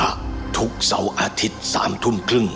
รู้สึก